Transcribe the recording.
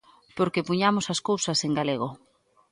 Porque puñamos as cousas en galego.